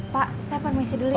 pak saya penuhi mesej dulu ya